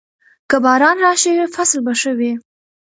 که باران راشي، فصل به ښه وي.